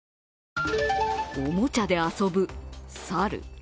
おもちゃで遊ぶ猿。